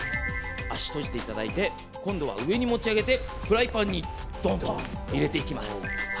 足を閉じていただいて上に持ち上げてフライパンにどんと入れていきます。